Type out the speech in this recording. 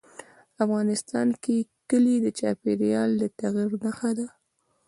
افغانستان کې کلي د چاپېریال د تغیر نښه ده.